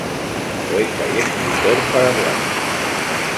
Poeta y escritor paraguayo.